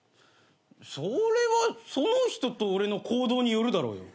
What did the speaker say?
それはその人と俺の行動によるだろうよ。